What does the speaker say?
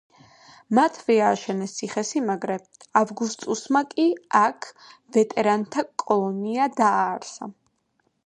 მათვე ააშენეს ციხესიმაგრე, ავგუსტუსმა კი აქ ვეტერანთა კოლონია დააარსა.